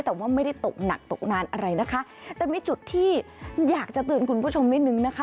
แต่ว่าไม่ได้ตกหนักตกนานอะไรนะคะแต่มีจุดที่อยากจะเตือนคุณผู้ชมนิดนึงนะคะ